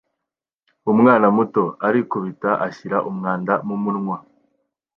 Umwana muto arikubita ashyira umwanda mumunwa